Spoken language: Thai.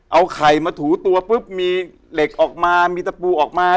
เอาไข่มาถูตัวปุ๊บมีเหล็กออกมามีตะปูออกมา